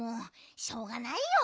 しょうがないよ。